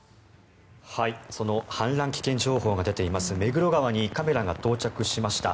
その氾濫危険情報が出ています目黒川にカメラが到着しました。